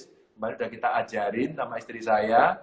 kemarin sudah kita ajarin sama istri saya